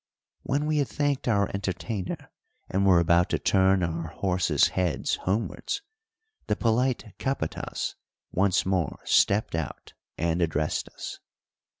When we had thanked our entertainer and were about to turn our horses' heads homewards, the polite capatas once more stepped out and addressed us.